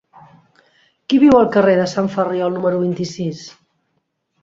Qui viu al carrer de Sant Ferriol número vint-i-sis?